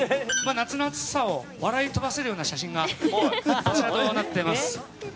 夏の暑さを笑い飛ばせるような写真がこちらとなっています。